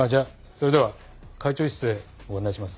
それでは会長室へご案内します。